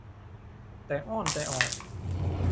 แต่อ้อนแต่ออก